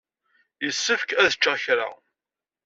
Yessefk ad ččeɣ kra.